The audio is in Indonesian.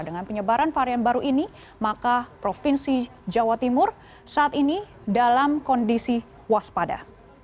dengan penyebaran varian baru ini maka provinsi jawa timur saat ini dalam kondisi waspada